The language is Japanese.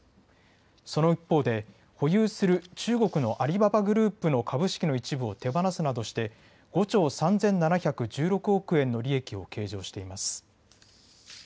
その一方で保有する中国のアリババグループの株式の一部を手放すなどして５兆３７１６億円の利益を計上しています。